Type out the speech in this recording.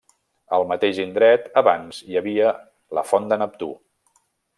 Al mateix indret, abans hi havia la font de Neptú.